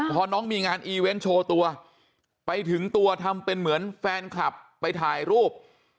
พอน้องมีงานอีเวนต์โชว์ตัวไปถึงตัวทำเป็นเหมือนแฟนคลับไปถ่ายรูป